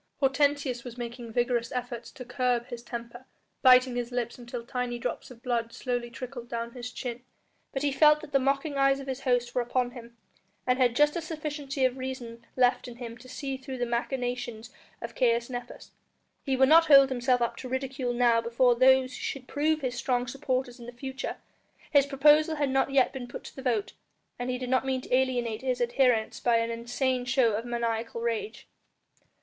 Hortensius was making vigorous efforts to curb his temper, biting his lips until tiny drops of blood slowly trickled down his chin. But he felt that the mocking eyes of his host were upon him, and had just a sufficiency of reason left in him to see through the machinations of Caius Nepos. He would not hold himself up to ridicule now before those who should prove his strong supporters in the future; his proposal had not yet been put to the vote, and he did not mean to alienate his adherents by an insane show of maniacal rage.